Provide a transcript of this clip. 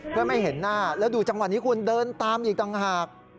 เพื่อไม่เห็นหน้าแล้วดูจังหวะนี้คุณเดินตามอีกต่างหาก